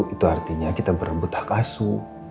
itu artinya kita berebut hak asu